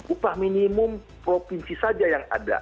upah minimum provinsi saja yang ada